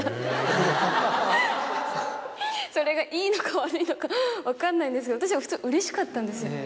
それがいいのか悪いのか分かんないんですけど私は普通うれしかったんですよ。